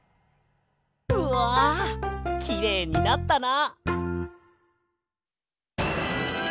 うわきれいになったな。